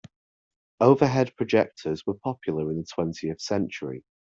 Overhead projectors were popular in the twentieth century.